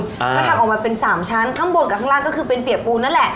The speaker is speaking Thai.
เขาทำออกมาเป็นสามชั้นข้างบนกับข้างล่างก็คือเป็นเปียกปูนั่นแหละ